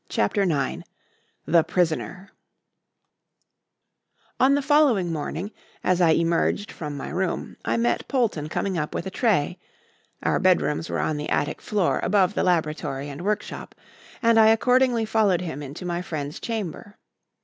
CHAPTER IX THE PRISONER On the following morning, as I emerged from my room, I met Polton coming up with a tray (our bedrooms were on the attic floor above the laboratory and workshop), and I accordingly followed him into my friend's chamber.